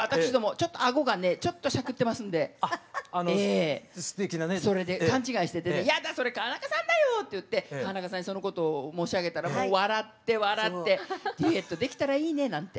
ちょっと顎がねちょっとしゃくってますんでそれで勘違いしてて「やだそれ川中さんだよ」って言って川中さんにそのことを申し上げたら笑って笑ってデュエットできたらいいねなんて。